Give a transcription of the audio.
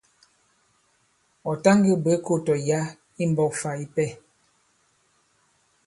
Ɔ̀ ta ngē bwě kō tɔ̀ yǎ i mbɔ̄k fà ipɛ.